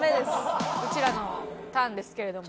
うちらのターンですけれども。